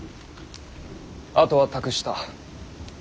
あとは託した。